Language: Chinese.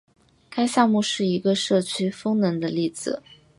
该项目是一个社区风能的例子。